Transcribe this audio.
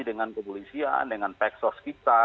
dengan kepolisian dengan peksos kita